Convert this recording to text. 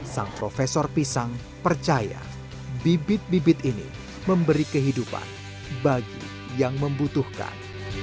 sang profesor pisang percaya bibit bibit ini memberi kehidupan bagi yang membutuhkan